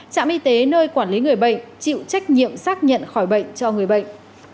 trạm y tế nơi quản lý người bệnh chịu trách nhiệm xác nhận khỏi bệnh cho người bệnh